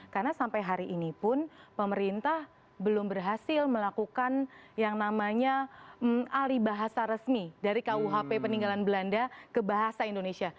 karena sampai hari ini pun pemerintah belum berhasil melakukan yang namanya alih bahasa resmi dari rkuhp peninggalan belanda ke bahasa indonesia